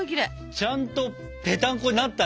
ちゃんとぺたんこになったね。